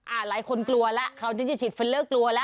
หลายคนกลัวแล้วคราวนี้จะฉีดฟิลเลอร์กลัวแล้ว